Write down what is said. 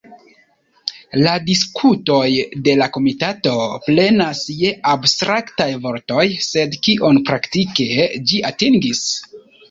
La diskutoj de la komitato plenas je abstraktaj vortoj, sed kion praktike ĝi atingis?